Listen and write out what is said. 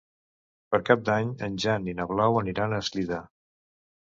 Per Cap d'Any en Jan i na Blau aniran a Eslida.